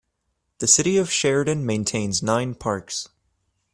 The City of Sheridan maintains nine parks.